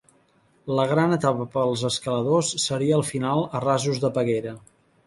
La gran etapa pels escaladors seria el final a Rasos de Peguera.